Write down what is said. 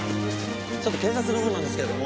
ちょっと警察の者なんですけれども。